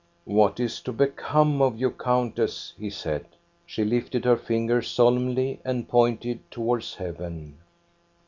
" What is to become of you, countess? '* he said. She lifted her finger solemnly and pointed towards heaven.